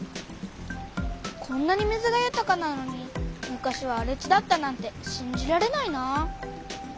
こんなに水がゆたかなのに昔はあれ地だったなんてしんじられないなあ。